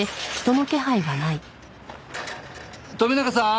富永さん？